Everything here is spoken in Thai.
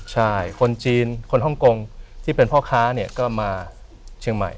ใช่คนจีนคนฮ่องกงที่เป็นพ่อค้าเนี่ยก็มาเชียงใหม่